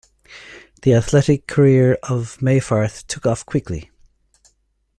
The athletic career of Meyfarth took off quickly.